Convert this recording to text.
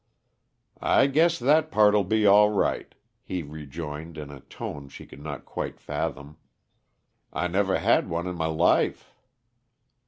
"I guess that part'll be all right," he rejoined in a tone she could not quite fathom. "I never had one in m' life."